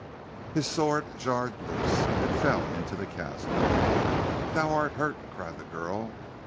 His sword jarred loose. It fell into the chasm. "Thou art hurt!" cried the girl.